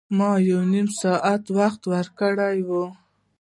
ما یو نیم ساعت وخت ورکړی و.